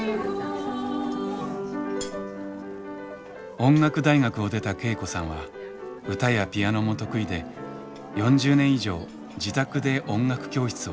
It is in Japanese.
音楽大学を出た恵子さんは歌やピアノも得意で４０年以上自宅で音楽教室を開いていました。